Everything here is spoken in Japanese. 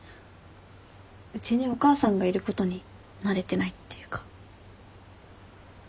うちにお母さんがいることに慣れてないっていうか。